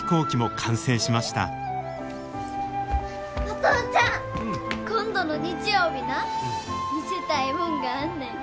お父ちゃん！今度の日曜日な見せたいもんがあんねん。